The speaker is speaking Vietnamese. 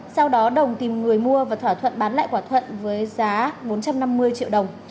sau đó đồng tìm người mua và thỏa thuận bán lại quả thuận với giá bốn trăm năm mươi triệu đồng